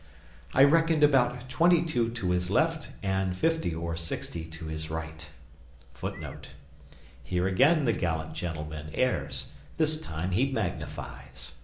I reckoned about 22 to his left and 50 or 60 to his right. [Footnote: Here again the gallant gentleman errs; this time he magnifies.